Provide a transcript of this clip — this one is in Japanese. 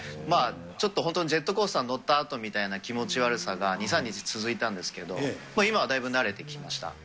まあちょっと本当に、ジェットコースターに乗ったあとみたいな気持ち悪さが２、３日続いたんですけど、今はだいぶ慣れてきました。